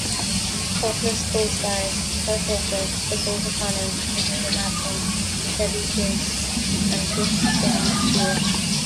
"Cutlass" co-stars Kurt Russell, Dakota Fanning, Virginia Madsen, Chevy Chase and Kristen Stewart.